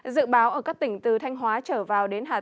dự báo ở các tỉnh từ thanh hóa trở vào